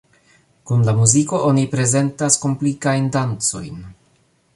Kun la muziko oni prezentas komplikajn dancojn.